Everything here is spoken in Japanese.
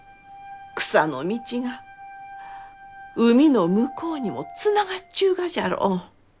草の道が海の向こうにもつながっちゅうがじゃろう？